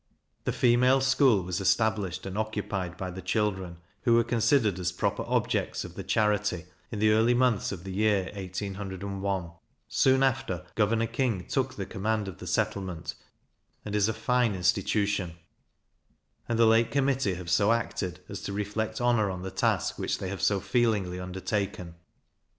The female school was established and occupied by the children, who were considered as proper objects of the charity, in the early months of the year 1801, soon after Governor King took the command of the settlement, and is a fine institution; and the late committee have so acted, as to reflect honour on the task which they have so feelingly undertaken.